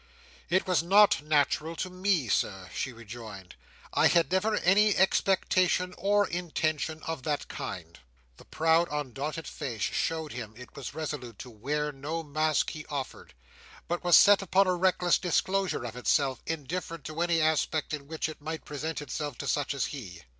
"It was not natural to me, Sir," she rejoined. "I had never any expectation or intention of that kind." The proud undaunted face showed him it was resolute to wear no mask he offered, but was set upon a reckless disclosure of itself, indifferent to any aspect in which it might present itself to such as he.